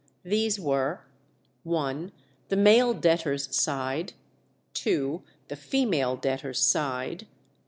These were i. The male debtors' side. ii. The female debtors' side.